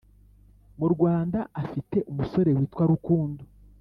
mu Rwanda, afite umusore witwa Rukundo